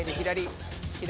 左。